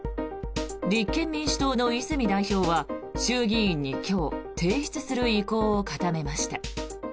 立憲民主党の泉代表は衆議院に今日提出する意向を固めました。